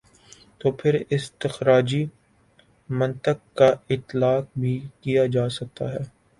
تو پھر استخراجی منطق کا اطلاق بھی کیا جا سکتا ہے۔